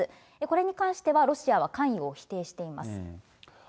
これに関しては、ロシアは関与を否定しています。